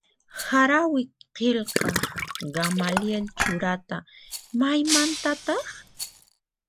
Harawi qillqaq Gamaliel Churata maymantataq?